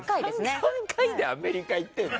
３回でアメリカ行ってるの？